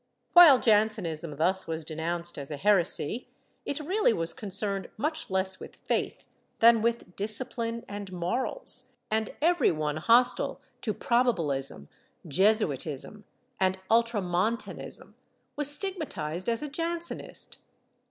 While Jansenism thus was denounced as a heresy, it really was concerned much less with faith than with discipline and morals, and every one hostile to Probabilism, Jesuitism and Ultramontanism was stigmatized as a Jansenist.